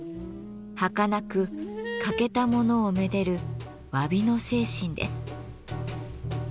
はかなく欠けたものをめでるわびの精神です。